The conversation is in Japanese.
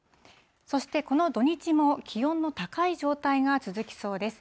そして、この土日も気温の高い状態が続きそうです。